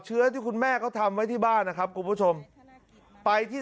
เชื้อที่คุณแม่เขาทำไว้ที่บ้านนะครับคุณผู้ชมไปที่